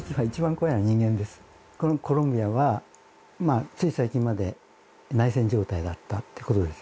このコロンビアはつい最近まで内戦状態だったってことです